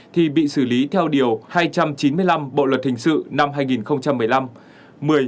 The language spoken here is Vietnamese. thì bị xử lý theo điều hai trăm chín mươi năm bộ luật hình sự năm hai nghìn một mươi năm